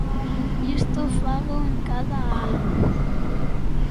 Isto fágoo en cada álbum.